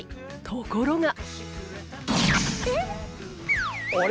ところが。